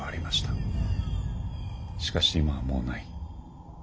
しかし今はもうない。